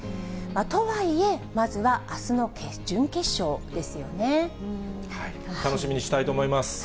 とはいえ、まずは、楽しみにしたいと思います。